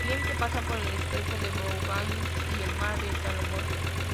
El límite pasa por el estrecho de Bougainville y el mar de Salomón.